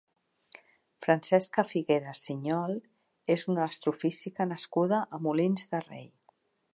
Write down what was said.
Francesca Figueras Siñol és una astrofísica nascuda a Molins de Rei.